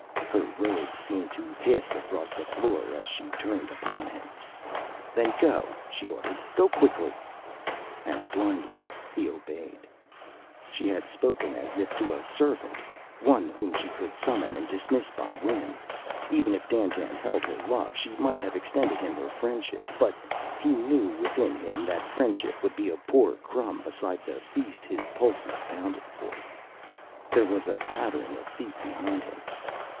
Her robe seemed to hiss across the floor as she turned upon him. "Then go!" she ordered. "Go quickly!" And blindly he obeyed. She had spoken as if to a servant, one whom she could summon and dismiss by whim. Even if Dandtan held her love, she might have extended him her friendship. But he knew within him that friendship would be a poor crumb beside the feast his pulses pounded for. There was a pattering of feet behind him.